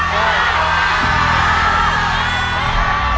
ได้